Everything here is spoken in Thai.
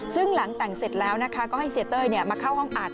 ซึ่งหลังแต่งเสร็จแล้วก็ให้เสียเต้ยมาเข้าห้องอัด